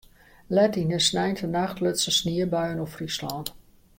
Let yn de sneintenacht lutsen sniebuien oer Fryslân.